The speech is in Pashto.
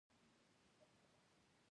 پیاز یخچال کې ساتل کېږي